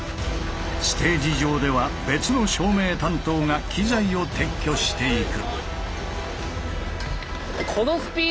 ステージ上では別の照明担当が機材を撤去していく。